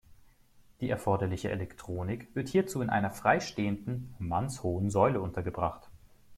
Die erforderliche Elektronik wird hierzu in einer freistehenden mannshohen Säule untergebracht.